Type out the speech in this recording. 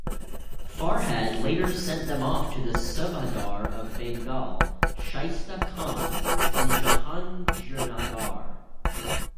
Farhad later sent them off to the Subahdar of Bengal Shaista Khan in Jahangirnagar.